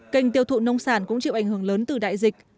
kênh tiêu thụ nông sản cũng chịu ảnh hưởng lớn từ đại dịch